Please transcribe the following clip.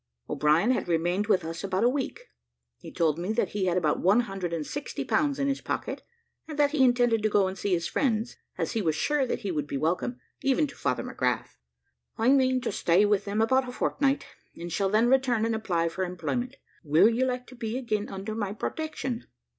O'Brien had remained with us about a week, he told me that he had about one hundred and sixty pounds in his pocket, and that he intended to go and see his friends, as he was sure that he would be welcome, even to Father McGrath. "I mean to stay with them about a fortnight, and shall then return and apply for employment. Now, Peter, will you like to be again under my protection?"